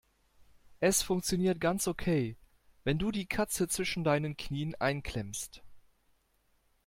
Es funktioniert ganz okay, wenn du die Katze zwischen deinen Knien einklemmst.